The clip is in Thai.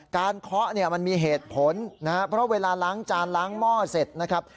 เคาะเนี่ยมันมีเหตุผลนะครับเพราะเวลาล้างจานล้างหม้อเสร็จนะครับ